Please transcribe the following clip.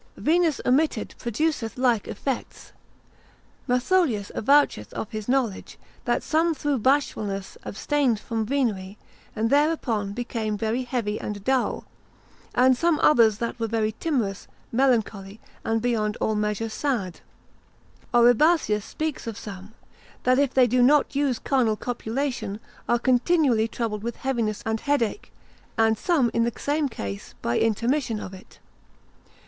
Venus omitted produceth like effects. Mathiolus, epist. 5. l. penult., avoucheth of his knowledge, that some through bashfulness abstained from venery, and thereupon became very heavy and dull; and some others that were very timorous, melancholy, and beyond all measure sad. Oribasius, med. collect. l. 6. c. 37, speaks of some, That if they do not use carnal copulation, are continually troubled with heaviness and headache; and some in the same case by intermission of it.